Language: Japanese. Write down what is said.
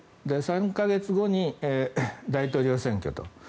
３か月後に大統領選挙と。